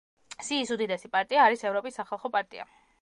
სიის უდიდესი პარტია არის ევროპის სახალხო პარტია.